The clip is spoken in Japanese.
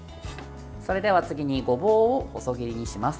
それでは次にごぼうを細切りにします。